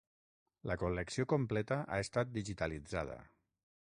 La col·lecció completa ha estat digitalitzada.